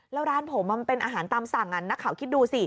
แล้วร้านผมมันเป็นอาหารตามสั่งนักข่าวคิดดูสิ